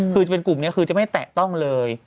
คือจะเป็นกลุ่มนี้คือจะไม่แตะต้องเลย